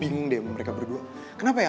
bingung deh mereka berdua kenapa ya